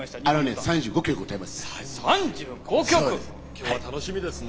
今日は楽しみですね。